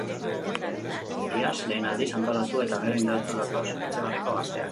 Iaz lehen aldiz antolatu eta gero indartsu datoz Etxebarriko gazteak.